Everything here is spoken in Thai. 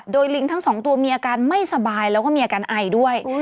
โดยลิงทั้งสองตัวมีอาการไม่สบายแล้วก็มีอาการไอด้วย